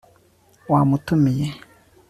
wamutumiye